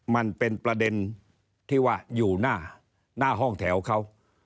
มันเป็นประเด็นที่ว่าอยู่หน้าห้องแถวเขา